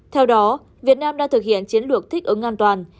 theo đó việt nam đã thực hiện chiến lược thích ứng an toàn